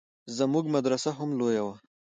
زموږ مدرسه هم لويه وه.